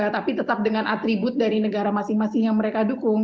tapi tetap dengan atribut dari negara masing masing yang mereka dukung